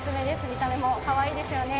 見た目もかわいいですよね。